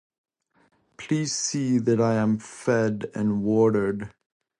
Please see that I am fed and watered.